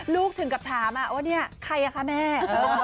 ถึงกับถามว่าเนี่ยใครอ่ะคะแม่